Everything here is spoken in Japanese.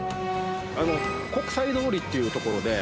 国際通りっていう所で。